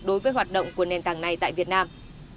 đối với hoạt động của nền tảng này tại việt nam